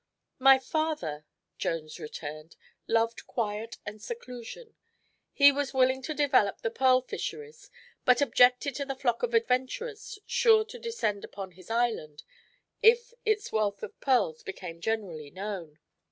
"My father," Jones returned, "loved quiet and seclusion. He was willing to develop the pearl fisheries, but objected to the flock of adventurers sure to descend upon his island if its wealth of pearls became generally known.